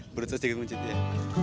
menurut saya sedikit buncit ya